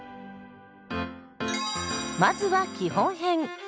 まずは基本編。